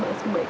gue juga basah